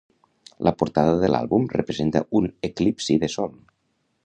La portada de l'àlbum representa un eclipsi de sol.